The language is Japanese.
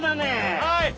はい！